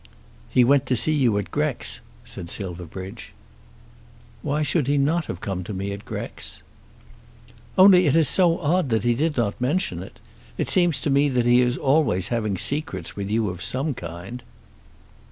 "He went to see you at Grex!" said Silverbridge. "Why should he not have come to me at Grex?" "Only it is so odd that he did not mention it. It seems to me that he is always having secrets with you of some kind."